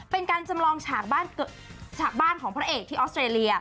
เป็นการจำลองฉากบ้านฉากบ้านของพระเอกที่ออสเตรเลีย